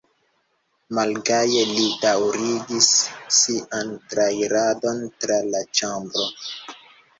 Malgaje li daŭrigis sian trairadon tra la ĉambro.